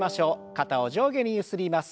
肩を上下にゆすります。